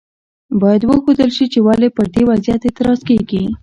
باید وښودل شي چې ولې پر دې وضعیت اعتراض کیږي.